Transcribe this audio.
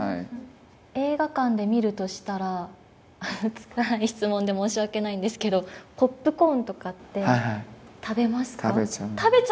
映画館で見るとしたら、つたない質問で申し訳ないんですけれども、ポップコーンとかって食べちゃう。